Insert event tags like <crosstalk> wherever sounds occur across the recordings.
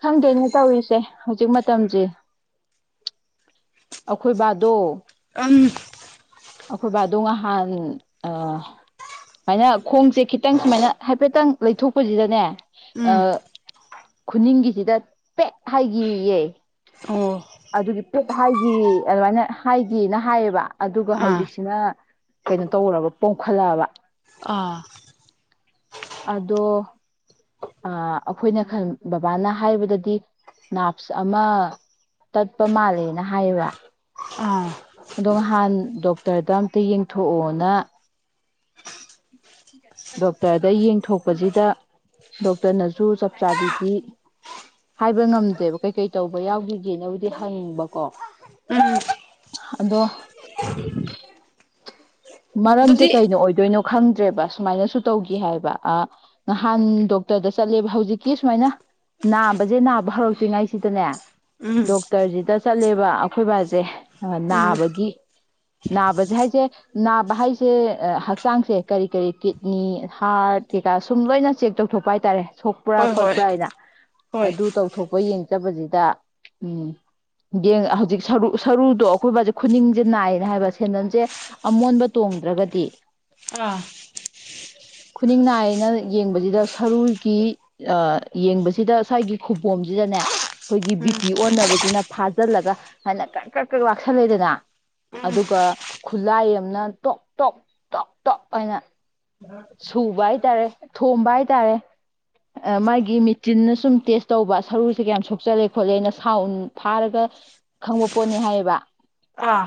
ꯈꯪꯗꯦꯅꯦ ꯇꯧꯔꯤꯁꯦ ꯍꯧꯖꯤꯛ ꯃꯇꯝꯁꯦ ꯑꯩꯈꯣꯏ ꯕꯥꯗꯣ ꯑꯨꯝ ꯑꯩꯈꯣꯏ ꯕꯥꯗꯣ ꯉꯍꯥꯟ ꯁꯨꯃꯥꯏꯅ ꯈꯣꯡꯁꯦ ꯈꯤꯇꯪ ꯁꯨꯃꯥꯏꯅ ꯍꯥꯏꯐꯦꯠꯇꯪ ꯂꯩꯊꯣꯛꯄꯁꯤꯗꯅꯦ ꯎꯝ ꯈꯨꯅꯤꯡꯒꯤꯁꯤꯗ ꯄꯦꯠ ꯍꯥꯏꯈꯤꯌꯦ ꯑꯣ ꯑꯗꯨꯒꯤ ꯄꯣꯞ ꯍꯥꯏꯈꯤ ꯑꯗꯨꯃꯥꯏꯅ ꯍꯥꯏꯒꯦꯅ ꯍꯥꯏꯌꯦꯕ ꯑꯗꯨꯒ ꯑꯥ ꯍꯧꯖꯤꯛꯁꯤꯅ ꯀꯩꯅꯣ ꯇꯧꯔꯕ ꯄꯣꯝꯈꯠꯂꯛꯑꯕ ꯑꯥ ꯑꯗꯣ ꯑꯩꯈꯣꯏꯅ ꯕꯕꯥꯅ ꯍꯥꯏꯕꯗꯗꯤ ꯅꯥꯞꯁ ꯑꯃ ꯇꯠꯄ ꯃꯥꯜꯂꯦꯅ ꯍꯥꯏꯌꯦꯕ ꯑꯗꯣ ꯅꯍꯥꯟ ꯗꯣꯛꯇꯔꯗ ꯑꯝꯇ ꯌꯦꯡꯊꯣꯛꯑꯣꯅ ꯗꯣꯛꯇꯔꯗ ꯌꯦꯡꯊꯣꯛꯄꯁꯤꯗ ꯗꯣꯛꯇꯔꯅꯁꯨ ꯆꯞ ꯆꯥꯕꯤꯗꯤ ꯍꯥꯏꯕ ꯉꯝꯗꯦꯕ ꯀꯩꯀꯩ ꯇꯧꯕ ꯌꯥꯎꯈꯤꯒꯦꯅꯕꯨꯗꯤ ꯍꯪꯅꯤꯡꯕꯀꯣ ꯑꯥ ꯑꯗꯣ ꯃꯔꯝꯁꯦ ꯀꯩꯅꯣ ꯑꯣꯏꯗꯣꯏꯅꯣ ꯈꯪꯗ꯭ꯔꯦꯕ ꯁꯨꯃꯥꯏꯅꯁꯨ ꯇꯧꯈꯤ ꯍꯥꯏꯕ ꯅꯍꯥꯟ ꯗꯣꯛꯇꯔꯗ ꯆꯠꯂꯦꯕ ꯍꯧꯖꯤꯛꯀꯤ ꯁꯨꯃꯥꯏꯅ ꯅꯥꯕꯁꯦ ꯅꯥꯕ ꯍꯧꯔꯛꯇ꯭ꯔꯤꯉꯥꯏꯁꯤꯗꯅꯦ ꯎꯝ ꯎꯝ ꯗꯣꯛꯇꯔꯁꯤꯗ ꯆꯠꯂꯦꯕ ꯑꯩꯈꯣꯏꯕꯥꯁꯦ ꯎꯝ ꯅꯥꯕꯒꯤ ꯅꯥꯕꯁꯦ ꯍꯥꯏꯁꯦ ꯅꯥꯕ ꯍꯥꯏꯁꯦ ꯍꯛꯆꯥꯡꯁꯦ ꯀꯔꯤ ꯀꯔꯤ ꯀꯤꯠꯅꯤ ꯍꯥꯔꯠ ꯀꯩꯀꯥ ꯁꯨꯝ ꯂꯣꯏꯅ ꯆꯦꯛ ꯇꯧꯊꯣꯛꯄ ꯍꯥꯏꯇꯥꯔꯦ ꯁꯣꯛꯄ꯭ꯔꯥ ꯍꯣꯏ ꯍꯣꯏ ꯈꯣꯠꯄ꯭ꯔꯥ ꯍꯥꯏꯅ ꯍꯣꯏ ꯑꯗꯨ ꯇꯧꯊꯣꯛꯄ ꯌꯦꯡ ꯗꯥꯕꯁꯤꯗ ꯎꯝ ꯍꯧꯖꯤꯛ ꯁꯔꯨ ꯁꯔꯨꯗꯣ ꯑꯩꯈꯣꯏꯕꯁꯦ ꯈꯨꯅꯤꯡꯁꯦ ꯅꯥꯏꯌꯦꯅ ꯍꯥꯏꯕ ꯁꯦꯟꯗꯟꯁꯦ ꯑꯃꯣꯟꯕ ꯇꯣꯡꯗ꯭ꯔꯒꯗꯤ ꯑꯥ ꯈꯨꯅꯤꯡ ꯅꯥꯏꯅ ꯌꯦꯡꯕꯁꯤꯗ ꯁꯔꯨꯒꯤ ꯌꯦꯡꯕꯁꯤꯗ ꯁ꯭ꯋꯥꯥꯏꯒꯤ ꯈꯨꯕꯣꯝꯁꯤꯗꯅꯦ ꯑꯩꯈꯣꯏꯒꯤ ꯎꯝ ꯕꯤꯄꯤ ꯑꯣꯟꯅꯕꯁꯤꯅ ꯐꯥꯖꯤꯜꯂꯒ ꯍꯥꯏꯅ ꯀꯛ ꯀꯛ ꯀꯛ ꯂꯥꯛꯁꯜꯂꯦꯗꯅ ꯎꯝ ꯑꯗꯨꯒ ꯈꯨꯠꯂꯥꯏ ꯑꯃꯅ ꯇꯣꯛ ꯇꯣꯛ ꯇꯣꯞ ꯇꯣꯞ ꯑꯅ ꯁꯨꯕ ꯍꯥꯏꯇꯥꯔꯦ ꯊꯣꯝꯕ ꯍꯥꯏꯇꯥꯔꯦ ꯃꯥꯒꯤ ꯃꯦꯆꯤꯟꯅ ꯁꯨꯝ ꯇꯦꯁ ꯇꯧꯕ ꯁꯔꯨꯁꯦ ꯀꯌꯥꯝ ꯁꯣꯛꯆꯜꯂꯦ ꯈꯣꯠꯂꯦ ꯑꯩꯅ ꯁꯥꯎꯟ ꯐꯥꯔꯒ ꯈꯪꯕ ꯄꯣꯠꯅꯤ ꯍꯥꯏꯌꯦꯕ ꯑꯥ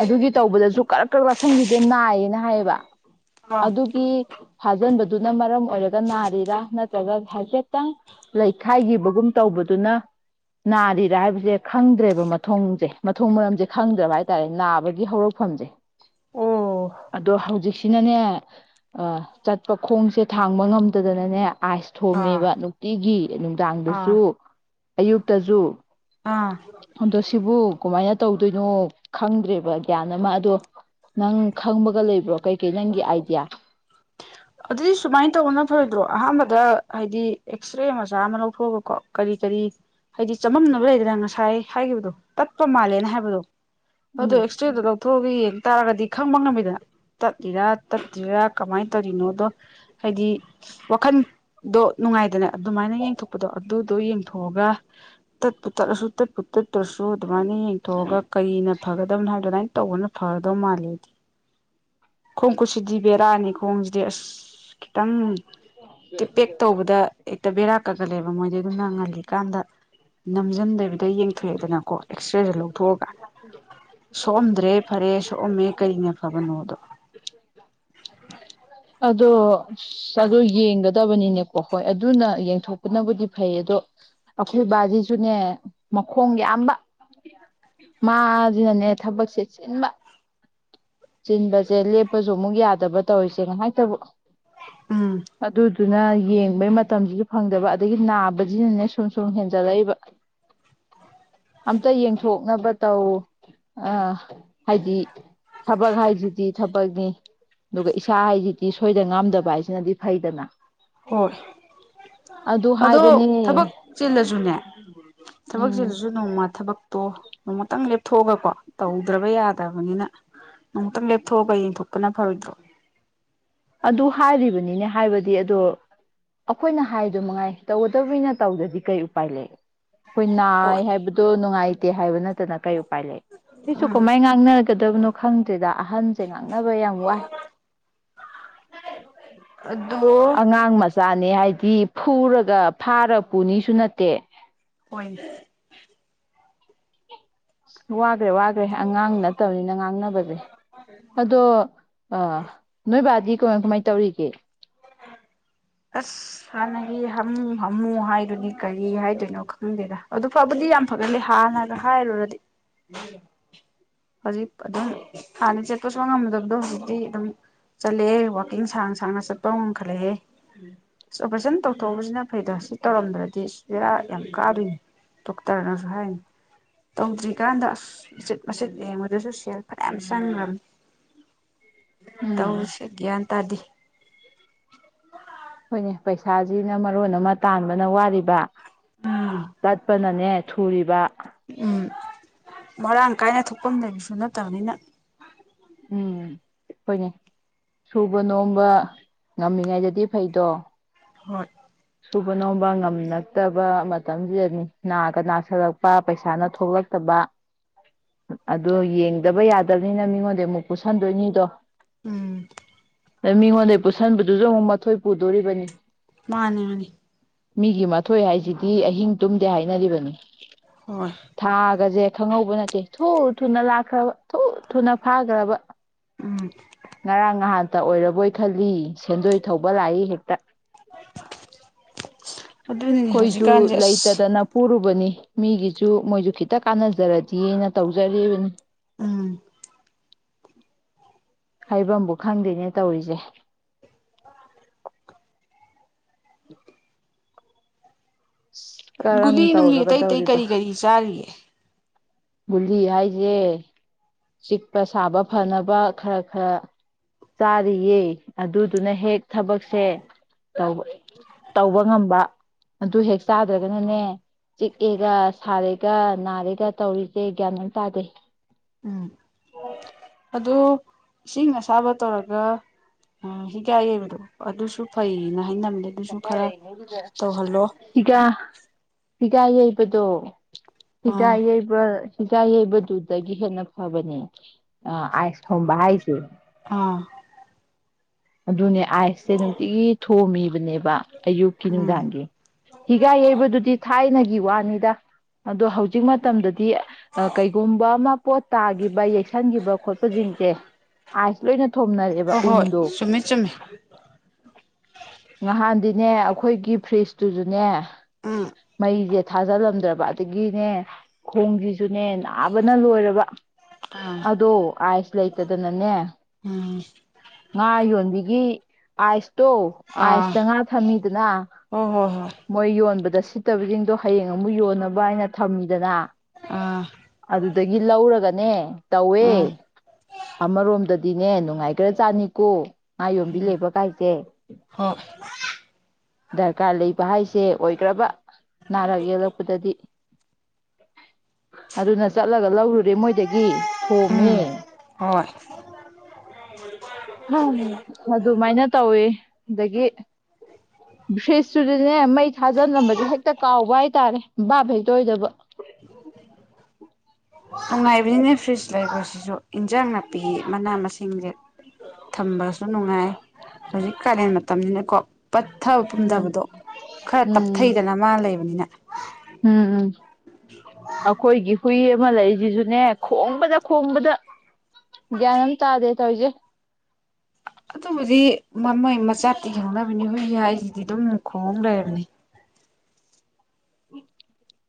ꯑꯗꯨꯒꯤ ꯇꯧꯕꯗꯁꯨ ꯀꯔꯛ ꯀꯔꯛ ꯋꯥꯀꯁꯤꯟꯒꯤ ꯑꯗꯨ ꯅꯥꯏꯌꯦꯅ ꯍꯥꯏꯌꯦꯕ ꯑꯥ ꯑꯗꯨꯒꯤ ꯐꯥꯖꯤꯟꯕꯗꯨꯅ ꯃꯔꯝ ꯑꯣꯏꯔꯒ ꯅꯥꯔꯤꯔꯥ ꯅꯠꯇ꯭ꯔꯒ ꯍꯥꯏꯐꯦꯠꯇꯪ ꯂꯩꯈꯥꯏꯈꯤꯕꯒꯨꯝ ꯇꯧꯕꯗꯨꯅ ꯅꯥꯔꯤꯔꯥ ꯍꯥꯏꯕꯁꯦ ꯈꯪꯗ꯭ꯔꯦꯕ ꯃꯊꯣꯡꯁꯦ ꯃꯊꯣꯡ ꯃꯔꯝꯁꯦ ꯈꯪꯗ꯭ꯔꯕ ꯍꯥꯏꯇꯥꯔꯦ ꯅꯥꯕꯒꯤ ꯍꯧꯔꯛꯐꯝꯁꯦ ꯑꯣ ꯑꯗꯣ ꯍꯧꯖꯤꯛꯁꯤꯅꯅꯦ ꯆꯠꯄ ꯈꯣꯡꯁꯦ ꯊꯥꯡꯕ ꯉꯝꯗꯗꯅꯅꯦ ꯑꯥꯏꯁ ꯑꯥ ꯊꯣꯝꯃꯦꯕ ꯅꯨꯡꯇꯤꯒꯤ ꯑꯥ ꯅꯨꯡꯗꯥꯡꯗꯁꯨ ꯑꯌꯨꯛꯇꯁꯨ ꯑꯥ ꯍꯗꯣꯁꯤꯕꯨ ꯀꯨꯃꯥꯏ ꯇꯧꯗꯣꯏꯅꯣ ꯈꯪꯗ꯭ꯔꯦꯕ ꯒ꯭ꯌꯥꯟ ꯑꯃ ꯑꯗꯣ ꯅꯪ ꯈꯪꯕꯒ ꯂꯩꯕ꯭ꯔꯣ ꯀꯩꯀꯩ ꯅꯪꯒꯤ ꯑꯥꯏꯗꯤꯌꯥ ꯑꯗꯨꯗꯤ ꯁꯨꯃꯥꯏꯅ ꯇꯧꯕꯅ ꯐꯔꯣꯏꯗ꯭ꯔꯣ ꯑꯍꯥꯟꯕꯗ ꯍꯥꯏꯗꯤ ꯑꯦꯛꯁꯔꯦ ꯃꯆꯥ ꯑꯃ ꯂꯧꯊꯣꯛꯑꯒꯀꯣ ꯀꯔꯤ ꯀꯔꯤ ꯍꯥꯏꯗꯤ ꯆꯃꯝꯅꯕ ꯂꯩꯗꯅ ꯉꯁꯥꯏ ꯍꯥꯏꯈꯤꯕꯗꯣ ꯇꯠꯄ ꯃꯥꯜꯂꯦꯅ ꯍꯥꯏꯕꯗꯣ ꯑꯗꯨꯣ ꯎꯝ ꯑꯦꯛꯁꯔꯦꯗꯣ ꯂꯧꯊꯣꯛꯑꯒ ꯌꯦꯡ ꯇꯥꯔꯒꯗꯤ ꯈꯪꯕ ꯉꯝꯃꯤꯗ ꯇꯠꯂꯤꯔꯥ ꯇꯠꯇ꯭ꯔꯤꯔꯥ ꯀꯃꯥꯏꯅ ꯇꯧꯔꯤꯅꯣ ꯗꯣ ꯍꯥꯏꯗꯤ ꯋꯥꯈꯟꯗꯣ ꯅꯨꯡꯉꯥꯏꯗꯅ ꯑꯗꯨꯃꯥꯏꯅ ꯌꯦꯡꯊꯣꯛꯄꯗꯣ ꯑꯗꯨ ꯑꯗꯨꯣ ꯌꯦꯡꯊꯣꯛꯑꯒ ꯇꯠꯄꯨ ꯇꯠꯂꯁꯨ ꯇꯠꯄꯨ ꯇꯠꯇ꯭ꯔꯁꯨ ꯑꯗꯨꯃꯥꯏꯅ ꯌꯦꯡꯊꯣꯛꯑꯒ ꯀꯔꯤꯅ ꯐꯒꯗꯕꯅ ꯍꯥꯏꯕ ꯑꯗꯨꯃꯥꯏꯅ ꯇꯧꯕꯅ ꯐꯒꯗꯧ ꯃꯥꯜꯂꯦꯗꯤ ꯈꯣꯡ ꯈꯨꯠꯁꯤꯗꯤ ꯕꯦꯔꯥꯅꯤ ꯈꯣꯡꯁꯤꯗꯤ ꯑꯁ ꯈꯤꯇꯪ ꯇꯤꯄꯦꯛ ꯇꯧꯕꯗ ꯍꯦꯛꯇ ꯕꯦꯔꯥ ꯀꯛꯀꯠꯂꯦꯕ ꯃꯣꯏꯗꯤ ꯑꯗꯨꯝꯅ ꯉꯜꯂꯤꯀꯥꯟꯗ ꯅꯝꯁꯤꯟꯗꯕꯤꯗ ꯌꯦꯡꯊꯣꯛꯑꯦꯗꯅꯀꯣ ꯑꯦꯛꯁꯔꯦꯁꯨ ꯂꯧꯊꯣꯛꯑꯒ ꯁꯣꯛꯑꯝꯗ꯭ꯔꯦ ꯐꯔꯦ ꯁꯣꯛꯑꯝꯃꯦ ꯀꯔꯤꯅꯦ ꯐꯕꯅꯣꯗꯣ ꯑꯗꯣ ꯑꯣ ꯌꯦꯡꯒꯗꯕꯅꯤꯅꯦꯀꯣ ꯍꯣꯏ ꯑꯗꯨꯅ ꯌꯦꯡꯊꯣꯛꯄꯅꯕꯨꯗꯤ ꯐꯩ ꯑꯗꯣ ꯑꯩꯈꯣꯏ ꯕꯥꯁꯤꯁꯨꯅꯦ ꯃꯈꯣꯡ ꯌꯥꯝꯕ ꯃꯥꯁꯤꯅꯅꯦ ꯊꯕꯛꯁꯦ ꯆꯤꯟꯕ ꯆꯤꯟꯕꯁꯦ ꯂꯦꯞꯄꯁꯨ ꯑꯃꯨꯛ ꯌꯥꯗꯕ ꯇꯧꯔꯤꯁꯦ ꯉꯥꯏꯍꯛꯇꯕꯨ ꯎꯝ ꯑꯗꯨꯗꯨꯅ ꯌꯦꯡꯕꯩ ꯃꯇꯝꯁꯤꯒꯤ ꯐꯪꯗꯕ ꯑꯗꯒꯤ ꯅꯥꯕꯁꯤꯅꯅꯦ ꯁꯨꯝ ꯁꯨꯝ ꯍꯦꯟꯖꯂꯛꯏꯕ ꯑꯝꯇ ꯌꯦꯡꯊꯣꯛꯅꯕ ꯇꯧ ꯑ ꯍꯥꯏꯗꯤ ꯊꯕꯛ ꯍꯥꯏꯁꯤꯗꯤ ꯊꯕꯛꯅꯤ ꯑꯗꯨꯒ ꯏꯁꯥ ꯍꯥꯏꯁꯤꯗꯤ ꯁꯣꯏꯗꯅ ꯉꯥꯝꯗꯕ ꯍꯥꯏꯁꯤꯅꯗꯤ ꯐꯩꯗꯅ ꯍꯣꯏ ꯑꯗꯨ ꯑꯗꯣ ꯍꯥꯏꯕꯅꯦ ꯊꯕꯛ ꯆꯤꯜꯂꯁꯨꯅꯦ ꯊꯕꯛ ꯎꯝ ꯆꯤꯜꯂꯁꯨ ꯅꯣꯡꯃ ꯊꯕꯛ ꯇꯣ ꯅꯣꯡꯃꯛꯇꯪ ꯂꯦꯞꯊꯣꯛꯑꯒꯀꯣ ꯇꯧꯗ꯭ꯔꯕ ꯌꯥꯗꯕꯅꯤꯅ ꯅꯣꯡꯃꯛꯇꯪ ꯂꯦꯞꯊꯣꯛꯑꯒ ꯌꯦꯡꯊꯣꯛꯄꯅ ꯐꯔꯣꯏꯗ꯭ꯔꯣ ꯑꯗꯨ ꯍꯥꯏꯔꯤꯕꯅꯤꯅꯦ ꯍꯥꯏꯕꯗꯤ ꯑꯗꯣ ꯑꯩꯈꯣꯏꯅ ꯍꯥꯏꯗꯨ ꯃꯉꯥꯏ ꯇꯧꯒꯗꯕꯅꯤꯅ ꯇꯧꯗꯗꯤ ꯀꯩ ꯎꯄꯥꯏ ꯂꯩ ꯑꯩꯈꯣꯏ ꯅꯥꯏ ꯍꯣꯏ ꯍꯥꯏꯕꯗꯨ ꯅꯨꯡꯉꯥꯏ ꯇꯦ ꯍꯥꯏꯕ ꯅꯠꯇꯅ <unintelligible> ꯀꯩ ꯎꯄꯥꯏ ꯂꯩ ꯎꯝ ꯀꯃꯥꯏ ꯉꯥꯡꯅ <unintelligible> ꯀꯗꯕꯅꯣ ꯈꯪꯗ꯭ꯔꯦꯗ ꯑꯍꯟꯁꯦ <unintelligible> <unintelligible> ꯅꯕ ꯌꯥꯝ ꯋꯥꯏ <unintelligible> ꯑꯉꯥꯡ ꯃꯆꯥꯅꯤ ꯍꯥꯏ ꯗꯤ ꯐꯨꯔꯒ ꯐꯥꯔꯒ ꯄꯨꯅꯤꯁꯨ ꯅꯠꯇꯦ ꯍꯣꯏꯅꯦ ꯋꯥꯈ꯭ꯔꯦ ꯋꯥꯈ꯭ꯔꯦ ꯑꯉꯥꯡ ꯅꯠꯇꯕꯅꯤꯅ ꯉꯥꯡꯅꯕꯁꯦ ꯑꯗꯣ ꯑꯥ ꯅꯣꯏꯕꯥꯗꯤ ꯀꯃꯥꯏ ꯀꯃꯥꯏ ꯇꯧꯔꯤꯒꯦ ꯑꯁ ꯍꯥꯟꯅꯒꯤ ꯍꯥꯃꯨ ꯍꯥꯃꯨ ꯍꯥꯏꯗꯨꯗꯤ ꯀꯔꯤ ꯍꯥꯏꯗꯣꯏꯅꯣ ꯈꯪꯗꯦꯗ ꯑꯗꯨ ꯐꯕꯨꯗꯤ ꯌꯥꯝ ꯐꯒꯠꯂꯦ ꯍꯥꯟꯅꯒ ꯍꯥꯏꯔꯨꯔꯗꯤ ꯍꯧꯖꯤꯛ ꯑꯗꯨꯝ ꯍꯥꯟꯅ ꯆꯠꯄꯁꯨ ꯉꯝꯃꯗꯕꯗꯣ ꯍꯧꯖꯤꯛꯇꯤ ꯑꯗꯨꯝ ꯆꯠꯂꯑꯦ ꯋꯥꯀꯤꯡ ꯁꯥꯡꯅ ꯁꯥꯡꯅ ꯆꯠꯄ ꯉꯝꯈꯠꯂꯛꯑꯦ ꯑꯁ ꯑꯣꯄꯔꯦꯁꯟ ꯇꯧꯊꯣꯛꯎꯕꯁꯤꯅ ꯐꯩꯗꯥ ꯁꯤ ꯇꯧꯔꯝꯗ꯭ꯔꯗꯤ ꯕꯦꯔꯥ ꯌꯥꯝ ꯀꯥꯗꯨꯅꯦ ꯗꯣꯛꯇꯔꯅꯁꯨ ꯍꯥꯏꯅꯤ ꯇꯧꯗ꯭ꯔꯤꯀꯥꯟꯗ ꯑꯁ ꯎꯆꯆꯤꯠ ꯃꯆꯦꯠ ꯌꯦꯡꯕꯗꯁꯨ ꯁꯦꯜ ꯐꯅꯌꯥꯝ ꯆꯪꯈ꯭ꯔꯕꯅꯤ ꯎꯝ ꯇꯧꯔꯤꯁꯦ ꯒꯌ꯭ꯥꯟ ꯇꯥꯗꯦ ꯍꯣꯏꯅꯦ ꯄꯩꯁꯥꯁꯤꯅ ꯃꯔꯣꯟ ꯑꯃ ꯇꯥꯟꯕꯅ ꯋꯥꯔꯤꯕ ꯆꯠꯄꯅꯅꯦ ꯊꯨꯔꯤꯕ ꯎꯝ ꯃꯔꯥꯡ ꯀꯥꯏꯅ ꯊꯣꯛꯐꯝ ꯂꯩꯕꯁꯨ ꯅꯠꯇꯕꯅꯤꯅ ꯎꯝ ꯍꯣꯏꯅꯦ ꯁꯨꯕ ꯅꯣꯝꯕ ꯉꯝꯃꯤꯉꯩꯗꯗꯤ ꯐꯩꯗꯣ ꯍꯣꯏ ꯁꯨꯕ ꯅꯣꯝꯕ ꯉꯝꯂꯛꯇꯕ ꯃꯇꯝꯁꯤꯗ ꯅꯥꯒ ꯅꯥꯁꯜꯂꯛꯄ ꯄꯩꯁꯥꯅ ꯊꯣꯛꯂꯛꯇꯕ ꯑꯗꯨꯗ ꯌꯦꯡꯗꯕ ꯌꯥꯗꯕꯅꯤꯅ ꯃꯤꯉꯣꯟꯗꯩ ꯑꯃꯨꯛ ꯄꯨꯁꯟꯗꯣꯏꯅꯤꯗꯣ ꯎꯝ ꯑꯗꯩꯩ ꯃꯤꯉꯣꯟꯗꯩ ꯄꯨꯁꯟꯕꯗꯨꯁꯨ ꯑꯃꯨꯛ ꯃꯊꯣꯏ ꯄꯨꯗꯣꯔꯤꯕꯅꯤ ꯃꯥꯅꯤ ꯃꯥꯅꯤ ꯃꯤꯒꯤ ꯃꯊꯣꯏ ꯍꯥꯏꯁꯤꯗꯤ ꯑꯍꯤꯡ ꯇꯨꯝꯗꯦ ꯍꯥꯏꯅꯔꯤꯕꯅꯤ ꯍꯣꯏ ꯊꯥꯒꯖꯦ ꯈꯪꯍꯧꯕ ꯅꯠꯇꯦ ꯊꯨ ꯊꯨꯅ ꯂꯥꯛꯈ꯭ꯔꯕ ꯊꯨ ꯊꯨꯅ ꯐꯥꯈ꯭ꯔꯕ ꯎꯝ ꯉꯔꯥꯡ ꯅꯍꯥꯟ ꯇ ꯑꯣꯏꯔꯕꯣꯏ ꯈꯜꯂꯤ ꯁꯦꯟꯗꯣꯏ ꯊꯧꯕ ꯂꯥꯛꯏ ꯍꯦꯛꯇ ꯑꯗꯨꯅꯤꯅꯦ ꯑꯩꯈꯣꯏꯁꯨ ꯍꯧꯖꯤꯛꯀꯥꯟꯁꯦ ꯑꯁ ꯂꯩꯇꯗꯅ ꯄꯨꯔꯨꯕꯅꯤ ꯃꯤꯒꯤꯁꯨ ꯃꯣꯏꯁꯨ ꯈꯤꯇ ꯀꯥꯟꯅꯖꯔꯗꯤꯅ ꯇꯧꯖꯔꯤꯕꯅꯤ ꯎꯝ ꯍꯩꯐꯝꯕꯨ ꯈꯪꯗꯦꯅꯦ ꯇꯧꯔꯤꯁꯦ ꯑꯁ ꯀꯔꯝ ꯒꯨꯂꯤ ꯅꯨꯡꯂꯤ ꯑꯇꯩ ꯑꯇꯩ ꯇꯧꯔꯒꯗꯧꯔꯤꯕ ꯀꯔꯤ ꯀꯔꯤ ꯆꯥꯔꯤꯌꯦ ꯒꯨꯂꯤ ꯍꯥꯏꯁꯦ ꯆꯤꯛꯄ ꯁꯥꯕ ꯐꯅꯕ ꯈꯔ ꯈꯔ ꯆꯥꯔꯤꯌꯦ ꯑꯗꯨꯗꯨꯅ ꯍꯦꯛ ꯊꯕꯛꯁꯦ ꯇ ꯇꯧꯕ ꯉꯝꯕ ꯑꯗꯨ ꯍꯦꯛ ꯆꯥꯗ꯭ꯔꯒꯅꯅꯦ ꯆꯤꯛꯑꯦꯒ ꯁꯥꯔꯦꯒ ꯅꯥꯔꯦꯒ ꯇꯧꯔꯤ ꯒ꯭ꯌꯥꯅ ꯇꯥꯖꯩ ꯑꯗ ꯏꯁꯤꯡ ꯑꯁꯥꯕ ꯇꯧꯔꯒ ꯍꯤꯒꯥꯏ ꯌꯩꯕꯗꯣ ꯑꯗꯨꯁꯨ ꯐꯩꯌꯦꯅ ꯍꯥꯏꯅꯕꯅꯦ ꯑꯗꯨꯁꯨ ꯈꯔ ꯇꯧꯍꯜꯂꯣ ꯏꯒ ꯍꯤꯒ ꯌꯩꯕꯗꯣ ꯍꯤꯒꯥ ꯑꯥ ꯌꯩꯕ ꯍꯤꯖꯥꯏ ꯌꯩꯕꯗꯨꯗꯒꯤ ꯍꯦꯟꯅ ꯐꯕꯅꯦ ꯑꯥꯏꯁ ꯊꯣꯝꯕ ꯍꯥꯏꯁꯦ ꯑꯥ ꯑꯗꯨꯅꯦ ꯑꯥꯏꯁꯁꯦ ꯅꯨꯡꯇꯤꯒꯤ ꯊꯣꯝꯃꯤꯕꯅꯦ ꯑꯌꯨꯛꯀꯤ ꯎꯝ ꯅꯨꯡꯗꯥꯡꯒꯤ ꯍꯤꯒ ꯌꯩꯕꯗꯨꯗꯤ ꯊꯥꯏꯅꯒꯤ ꯒꯤ ꯋꯥꯅꯤꯗ ꯑꯣꯗꯣ ꯍꯧꯖꯤꯛ ꯍꯧꯖꯤꯛ ꯃꯇꯝꯗꯗꯤ ꯀꯩꯒꯨꯝꯕ ꯑꯃ ꯄꯣꯠ ꯇꯥꯈꯤꯕ ꯌꯩꯁꯟꯈꯤꯕ ꯈꯣꯠꯄꯁꯤꯡꯁꯦ ꯑ ꯂꯣꯏꯅ ꯊꯣꯝꯅꯔꯛꯑꯦꯕ ꯍꯣꯏ ꯍꯣꯏ ꯎꯟꯗꯣ ꯆꯨꯝꯃꯦ ꯆꯨꯝꯃꯦ ꯅꯍꯥꯟꯗꯤꯅꯦ ꯑꯩꯈꯣꯏꯒꯤ ꯐ꯭ꯔꯤꯖꯇꯨꯁꯨꯅꯦ ꯎꯝ ꯃꯩ ꯌꯦ ꯊꯥꯖꯤꯜꯂꯝꯗ꯭ꯔꯕ ꯑꯗꯒꯤꯅꯦ ꯈꯣꯡꯁꯤꯁꯨꯅꯦ ꯅꯥꯕꯅ ꯂꯣꯏꯔꯕ ꯑꯥ ꯑꯗꯣ ꯑꯥꯏꯁ ꯂꯩꯇꯗꯅꯅꯦ ꯎꯝ ꯉꯥ ꯌꯣꯟ ꯒꯤ ꯑꯁ ꯇꯧ ꯑꯥ ꯑꯥꯏꯁꯇ ꯉꯥ ꯊꯝꯃꯤꯗꯅ ꯍꯣꯏ ꯍꯣꯏ ꯍꯣꯏ ꯃꯣꯏ ꯌꯣꯟꯕꯗ ꯁꯤꯠꯇꯕꯁꯤꯡꯗꯣ ꯍꯌꯦꯡ ꯑꯃꯨꯛ ꯌꯣꯟꯅꯕ ꯍꯥꯏꯅ ꯊꯝꯃꯤꯗꯅ ꯑꯥ ꯑꯗꯨꯗꯒꯤ ꯂꯧꯔꯒ ꯅꯦ ꯇꯧꯋꯦ ꯎꯝ ꯑꯃꯔꯣꯝꯗ ꯗꯤꯅꯦ ꯅꯨꯡꯉꯥꯏꯈꯔ ꯆꯥꯅꯤꯀꯣ ꯃꯥ ꯌꯣꯝꯕꯤ ꯂꯩꯕ ꯀꯥꯏꯖꯦ ꯍꯣꯏ ꯗꯔꯀꯥꯔ ꯂꯩꯕ ꯍꯥꯏꯁꯦ ꯑꯣꯏꯈ꯭ꯔꯕ ꯅꯔꯒ ꯌꯦꯔꯛꯄꯗꯗꯤ ꯑꯗꯨꯅ ꯆꯠꯂꯒ ꯂꯧꯔꯨꯔꯦ ꯃꯣꯏꯗꯒꯤ ꯎꯝ ꯊꯣꯝꯃꯦ ꯍꯣꯏ <inaudible> ꯑꯗꯨꯃꯥꯏꯅ ꯇꯧꯋ ꯑꯗꯒꯤ ꯐ꯭ꯔꯤꯖꯇꯨꯗꯅꯦ ꯃꯩ ꯊꯥꯖꯜꯂꯝꯕꯁꯦ ꯍꯦꯛꯇ ꯀꯥꯎꯕ ꯍꯥꯏꯇꯥꯔꯦ ꯕꯥꯕ ꯍꯦꯛꯇ ꯑꯣꯏꯗꯕ ꯅꯨꯡꯉꯥꯏꯕꯅꯤꯅꯦ ꯐ꯭ꯔꯤꯖ ꯂꯩꯕꯁꯤꯁꯨ ꯏꯟꯖꯥꯡ ꯅꯥꯄꯤ ꯃꯅꯥ ꯃꯁꯤꯡꯁꯦ ꯊꯝꯕꯁꯨ ꯅꯨꯡꯉꯥꯏ ꯍꯧꯖꯤꯛ ꯀꯥꯂꯦꯟ ꯃꯇꯝꯅꯤꯅꯀꯣ ꯄꯠꯊꯕ ꯎꯝ ꯄꯨꯝꯊꯕꯗꯣ ꯈꯔ ꯎꯝ ꯇꯞꯊꯩꯗꯅ ꯃꯥ ꯂꯩꯕꯅꯤꯅ ꯎꯝ ꯎꯝ ꯑꯩꯈꯣꯏꯒꯤ ꯍꯨꯏ ꯑꯃ ꯂꯩꯁꯤꯁꯨꯅꯦ ꯈꯣꯡꯕꯗ ꯈꯣꯡꯕꯗ ꯒ꯭ꯌꯥꯟ ꯑꯃ ꯇꯥꯗꯦ ꯇꯧꯔꯤꯁꯦ ꯑꯗꯨꯕꯨꯗꯤ ꯃꯃꯣꯏ ꯃꯆꯥ ꯈꯪꯅꯕ <unintelligible> ꯗꯤ ꯑꯗꯨꯝ ꯈꯣꯡ ꯂꯩꯔꯕꯅꯦ <unintelligible>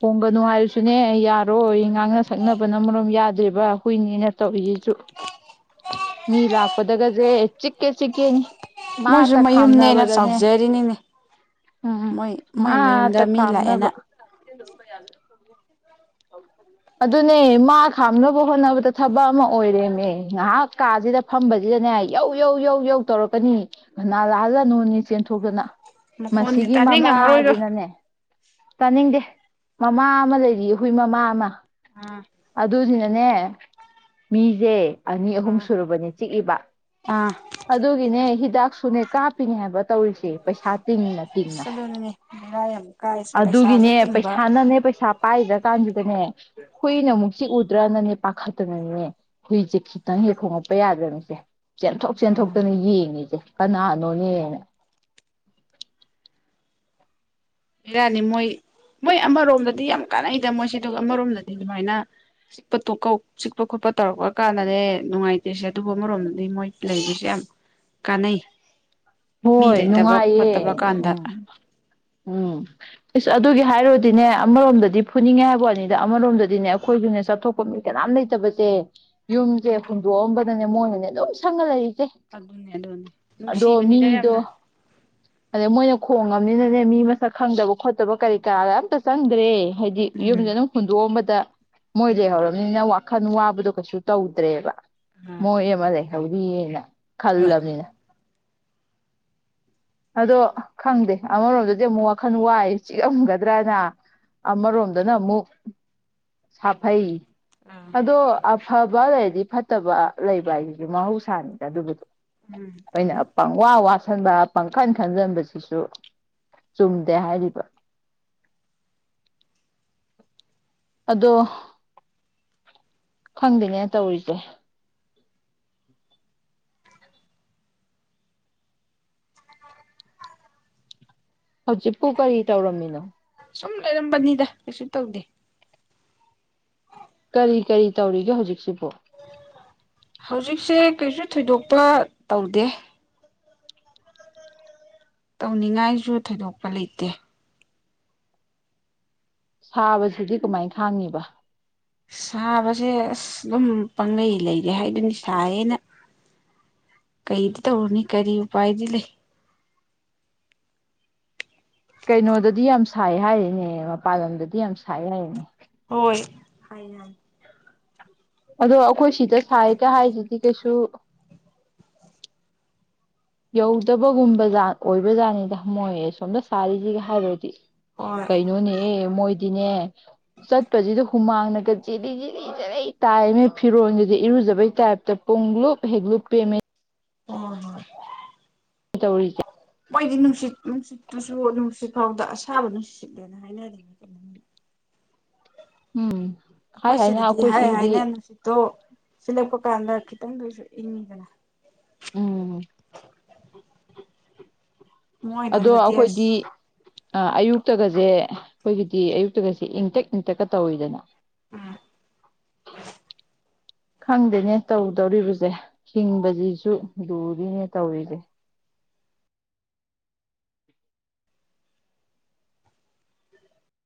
ꯍꯣꯡꯒꯅꯨ ꯍꯥꯏꯔꯁꯨꯅꯦ ꯌꯥꯔꯣꯏ ꯉꯥꯡꯅ ꯁꯛꯅꯕꯅ ꯃꯔꯣꯝ ꯌꯥꯗ꯭ꯔꯤꯕ ꯍꯨꯏꯅꯦꯅ ꯇꯧꯔꯤꯁꯤꯁꯨ ꯃꯤ ꯂꯥꯛꯄꯗꯒꯁꯦ ꯆꯤꯛꯀꯦ ꯆꯤꯛꯀꯦꯅꯤ ꯃꯣꯏꯁꯨ ꯃꯥꯇ ꯃꯌꯨꯝꯅꯦꯅ ꯈꯥꯝꯅꯕꯗꯅꯦ ꯆꯥꯎꯖꯔꯤꯅꯤꯅꯦ ꯎꯝ ꯃꯣꯏ ꯃꯣꯏ ꯃꯌꯨꯝꯗ ꯃꯥꯇ ꯃꯤ ꯂꯥꯛꯑꯦꯅ ꯈꯥꯝꯅꯕ ꯑꯗꯨꯅꯦ ꯃꯥ ꯈꯥꯝꯅꯕ ꯍꯣꯠꯅꯕꯗ ꯊꯕꯛ ꯑꯃ ꯑꯣꯏꯔꯦꯃꯦ ꯉꯥꯏꯍꯥꯛ ꯀꯥꯁꯤꯗ ꯐꯝꯕꯁꯤꯗꯅꯦ ꯌꯧ ꯌꯧ ꯌꯧ ꯌꯧ ꯇꯧꯔꯛꯀꯅꯤ ꯀꯅꯥ ꯂꯥꯛꯑꯖꯠꯅꯣꯅꯦ ꯆꯦꯟꯊꯣꯛꯇꯅ ꯃꯈꯣꯟꯗꯤ ꯃꯁꯤꯒꯤ ꯇꯥꯅꯤꯡꯉꯝꯃꯔꯣꯏꯗꯣ ꯃꯃꯥꯁꯤꯅꯅꯦ ꯇꯥꯅꯤꯡꯗꯦ ꯃꯃꯥ ꯑꯃ ꯂꯩꯔꯤ ꯍꯨꯏ ꯃꯃꯥ ꯑꯃ ꯑꯥ ꯑꯗꯗꯤꯅꯅꯦ ꯃꯤꯖꯦ ꯑꯅꯤ ꯑꯍꯨꯝ ꯑꯥ ꯁꯨꯨꯔꯕꯅꯦ ꯆꯤꯛꯏꯕ ꯑꯥ ꯑꯗꯨꯒꯤꯅꯦ ꯍꯤꯗꯥꯛꯁꯨꯅꯦ ꯀꯥꯞꯄꯤꯅꯦ ꯍꯥꯏꯕ ꯇꯧꯔꯤꯁꯦ ꯇꯤꯡꯅ ꯇꯤꯡꯅ ꯑꯁ ꯑꯗꯨꯅꯤꯅꯦ ꯕꯦꯔꯥ ꯌꯥꯝ ꯀꯥꯏꯁꯦ ꯄꯩꯁꯥꯁꯨ ꯑꯗꯨꯒꯤꯅꯦ ꯇꯤꯡꯕ ꯄꯩꯁꯥꯅꯅꯦ ꯄꯩꯁꯥ ꯄꯥꯏꯗ꯭ꯔꯀꯥꯟꯁꯤꯗꯅꯦ ꯍꯨꯏꯅ ꯑꯃꯨꯛ ꯆꯤ ꯎꯗ꯭ꯔꯅꯅꯦ ꯄꯥꯈꯠꯇꯅꯅꯤꯅꯦ ꯍꯨꯏꯁꯦ ꯈꯤꯇꯪ ꯍꯦꯛ ꯈꯣꯉꯛꯄ ꯌꯥꯗ꯭ꯔꯦ <unintelligible> ꯆꯦꯟꯊꯣꯛ ꯎꯝ ꯆꯦꯟꯊꯣꯛꯇꯅ ꯌꯦꯡꯉꯤꯁꯦ ꯀꯅꯥꯅꯣꯅꯦꯅ ꯕꯦꯔꯥꯅꯤ ꯃꯣꯏ ꯃꯣꯏ ꯑꯃꯔꯣꯝꯗꯗꯤ ꯌꯥꯝ ꯀꯥꯟꯅꯩꯗ ꯃꯣꯏꯁꯦ ꯑꯗꯨꯒ ꯑꯃꯔꯣꯝꯗꯗꯤ ꯑꯗꯨꯃꯥꯏꯅ ꯆꯤꯛꯇꯧ ꯆꯤꯛꯄ ꯈꯣꯠꯄ ꯇꯧꯔꯛꯄ ꯀꯥꯟꯗꯅꯦ ꯅꯨꯡꯉꯥꯏꯇꯦꯁꯦ ꯑꯗꯨꯕꯨ ꯑꯃꯔꯣꯝꯗꯗꯤ ꯃꯣꯏ ꯂꯩꯔꯤꯁꯦ ꯌꯥꯝ ꯀꯥꯟꯅꯩ ꯃꯤ ꯍꯣꯏ ꯂꯩꯇꯕ ꯅꯨꯡꯉꯥꯏꯌꯦ ꯈꯣꯠꯇꯕ ꯀꯥꯟꯗ ꯎꯝ ꯎꯝ ꯏꯁꯁ ꯑꯗꯨꯒꯤ ꯍꯥꯏꯔꯨꯔꯗꯤꯅꯦ ꯑꯃꯔꯣꯝꯗꯗꯤ ꯐꯨꯅꯤꯡꯉꯦ ꯍꯥꯏꯕ ꯋꯥꯅꯤꯗ ꯑꯃꯔꯣꯝꯗꯗꯤꯅꯦ ꯑꯩꯈꯣꯏꯒꯤꯅꯦ ꯆꯠꯊꯣꯛꯄ ꯃꯤ ꯀꯅꯥꯝ ꯂꯩꯇꯕꯁꯦ ꯌꯨꯝꯁꯦ ꯍꯨꯟꯗꯣꯛꯑꯝꯕꯗꯅꯦ ꯃꯣꯏꯅꯅꯦ ꯂꯣꯏ ꯁꯪꯉꯂꯩꯔꯤꯅꯦ <unintelligible> ꯅꯪ ꯁꯤꯕꯅꯤ ꯈꯔꯥ ꯃꯤꯗꯣ ꯌꯥꯝꯅ ꯑꯗꯩ ꯃꯣꯏꯅ ꯈꯣꯡꯉꯕꯅꯤꯅꯅꯦ ꯃꯤ ꯃꯁꯛ ꯈꯪꯗꯕ ꯈꯣꯠꯇꯕ ꯀꯔꯤ ꯀꯔꯥ ꯑꯝꯇ ꯆꯪꯗ꯭ꯔꯦ ꯍꯥꯏꯗꯤ ꯎꯝ ꯌꯨꯝꯗꯅ ꯍꯨꯟꯗꯣꯛꯑꯝꯕ ꯇꯥ ꯃꯣꯏ ꯍꯣꯏ ꯂꯩꯍꯧꯔꯕꯅꯤꯅ <unintelligible> ꯈꯟ ꯋꯥꯕꯗꯣ ꯀꯩꯁꯨ ꯇꯧꯗ꯭ꯔꯦꯕ ꯑꯥ <unintelligible> ꯍꯧꯔꯤꯌꯦꯅ ꯍꯣꯏ ꯈꯜꯂꯕꯅꯤꯅ ꯑꯗꯣ ꯈꯪꯗꯦ ꯑꯃꯔꯣꯝꯗꯗꯤ ꯑꯃꯨꯛ ꯋꯥꯈꯜ ꯋꯥꯏ ꯆꯤꯛꯉꯝꯒꯗ꯭ꯔꯅ ꯑꯃꯔꯣꯝꯗꯅ ꯑꯃꯨꯛ ꯁꯥꯐꯩ ꯑꯥ ꯑꯗꯣ ꯐꯕ ꯂꯩꯔꯗꯤ ꯐꯠꯇꯕ ꯂꯩꯕ ꯍꯥꯏꯁꯤꯁꯨ ꯃꯍꯧꯁꯥꯅꯤꯗ ꯑꯗꯨꯕꯨꯗꯣ ꯎꯝ ꯑꯩꯅ ꯄꯪꯋꯥ ꯋꯥꯁꯟꯗ ꯄꯥꯡꯈꯟ ꯈꯟꯖꯟꯕꯁꯤꯁꯨ ꯆꯨꯝꯗꯦ ꯍꯥꯏꯔꯤꯕ ꯑꯗꯣ ꯈꯪꯗꯦꯅꯦ ꯇꯧꯔꯤꯁꯦ ꯍꯧꯖꯤꯛꯄꯨ ꯀꯔꯤ ꯇꯧꯔꯝꯃꯤꯅꯣ ꯁꯨꯝ ꯂꯩꯔꯝꯕꯅꯤꯗ ꯀꯩꯁꯨ ꯇꯧꯗꯦ ꯀꯔꯤ ꯀꯔꯤ ꯇꯧꯔꯤꯒꯦ ꯍꯧꯖꯤꯛꯁꯤꯕꯣ ꯍꯧꯖꯤꯛꯁꯦ ꯀꯩꯁꯨ ꯊꯣꯏꯗꯣꯛꯄ ꯇꯧꯗꯦ ꯇꯧꯅꯤꯡꯉꯥꯏꯁꯨ ꯊꯣꯏꯗꯣꯛꯄ ꯂꯩꯇꯦ ꯁꯥꯕꯁꯤꯗꯤ ꯀꯃꯥꯏ ꯈꯥꯡꯉꯤꯕ ꯁꯥꯕꯁꯦ ꯑꯁ ꯑꯗꯨꯝ ꯄꯥꯡꯒꯩ ꯂꯩꯔꯦ ꯍꯥꯏꯗꯨꯅꯤ ꯁꯥꯏꯌꯦꯅ ꯀꯩꯗꯤ ꯇꯧꯔꯨꯅꯤ ꯀꯔꯤ ꯎꯄꯥꯏꯗꯤ ꯂꯩ ꯀꯩꯅꯣꯗꯗꯤ ꯌꯥꯝ ꯁꯥꯏ ꯍꯥꯏꯔꯤꯅꯦ ꯃꯄꯥꯟ ꯂꯝꯗꯗꯤ ꯌꯥꯝ ꯁꯥꯏ ꯍꯥꯏꯔꯤꯅꯦ ꯍ ꯑꯗꯣ ꯑꯩꯈꯣꯏ ꯁꯤꯗ ꯁꯥꯏꯒ ꯍꯥꯏꯁꯤꯗꯤ ꯀꯩꯁꯨ ꯌꯧꯗꯕꯒꯨꯝꯕꯖꯥꯠ ꯑꯣꯏꯕ ꯖꯥꯠꯅꯤꯗ ꯃꯣꯏꯌꯦ ꯁꯣꯝꯗ ꯁꯥꯔꯤꯁꯤꯒ ꯍꯥꯏꯔꯨꯔꯗꯤ ꯍꯣꯏ ꯀꯩꯅꯣꯅꯦ ꯃꯣꯏ ꯁꯤꯅꯦ ꯆꯠꯄꯁꯤꯗ ꯍꯨꯃꯥꯡꯅꯒ ꯆꯦ ꯆꯦ ꯆꯦꯂꯩ ꯇꯥꯏꯃꯦ ꯐꯤꯔꯣꯟꯜꯗꯨꯗꯤ ꯏꯔꯨꯖꯕꯩ ꯇꯥꯏꯞꯇ ꯄꯨꯡꯂꯨꯞꯨꯞ ꯍꯦꯛ ꯂꯨꯞ ꯄꯦꯝꯃꯦ ꯑꯣ ꯍ ꯇꯧꯔꯤꯁꯦ ꯃꯣꯏꯗꯤ ꯅꯨꯡꯁꯤꯠ ꯅꯨꯡꯁꯤꯠ ꯇꯨꯁꯨ ꯅꯨꯡꯁꯤꯠ ꯐꯥꯎꯗ ꯑꯁꯥꯕ ꯅꯨꯡꯁꯤꯠꯂꯦꯅ ꯍꯥꯏꯅꯔꯤ ꯑꯗꯨ ꯎꯝ ꯍꯥꯏ ꯑꯩꯈꯣꯏ ꯍꯥꯏꯅ ꯁꯤꯗꯗꯤ ꯑꯩꯈꯣꯏ ꯍꯥꯏ ꯁꯤꯒꯤꯗꯤ ꯍꯥꯏꯅꯦ ꯅꯨꯡꯁꯤꯠꯇꯣ ꯁꯤꯂꯦꯞꯄ ꯀꯥꯟꯗ ꯈꯤꯇꯪꯗ ꯑꯣꯏꯁꯨ ꯏꯪꯉꯤꯗꯅ ꯎꯝ ꯑꯗꯣ ꯃꯣꯏꯔꯣꯝꯗꯗꯤ ꯑꯁ ꯑꯩꯈꯣꯏꯗꯤ ꯑ ꯑꯌꯨꯛꯇꯒꯁꯦ ꯑꯩꯈꯣꯏꯒꯤꯗꯤ ꯑꯌꯨꯛꯇꯒꯁꯦ ꯏꯪꯇꯛ ꯏꯪꯇꯛꯀ ꯇꯧꯋꯤꯗꯅ ꯎꯝ ꯈꯪꯗꯦꯅꯦ ꯇꯧꯗꯧꯔꯤꯕꯁꯦ ꯍꯤꯡꯕꯁꯤꯁꯨ ꯂꯨꯔꯤꯅꯦ ꯇꯧꯔꯤꯁꯦ